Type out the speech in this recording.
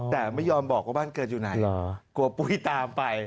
แต่ไม่ยอมบอกว่าบ้านเกิดอยู่ไหนกลัวปุ้ยตามไป